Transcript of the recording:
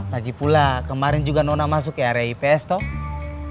lagi pula kemarin juga nona masuk ke area ips tau